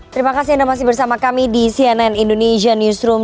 terima kasih anda masih bersama kami di cnn indonesia newsroom